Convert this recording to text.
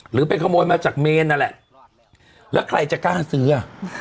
หรือไปขโมยมาจากเมนนั่นแหละแล้วใครจะกล้าซื้ออ่ะ